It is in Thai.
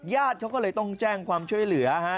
ญาติเขาก็เลยต้องแจ้งความช่วยเหลือ